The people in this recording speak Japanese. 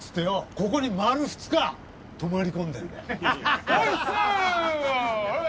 ここに丸２日泊まり込んでんだよオイッスー！